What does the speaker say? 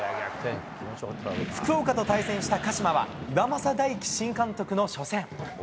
福岡と対戦した鹿島は、岩政大樹新監督の初戦。